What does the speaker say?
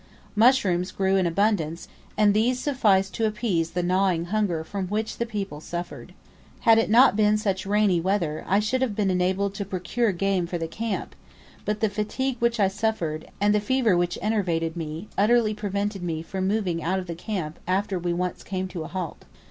Mushrooms grew in abundance, and these sufficed to appease the gnawing hunger from which the people suffered. Had it not been such rainy weather I should have been enabled to procure game for the camp; but the fatigue which I suffered, and the fever which enervated me, utterly prevented me from moving out of the camp after we once came to a halt.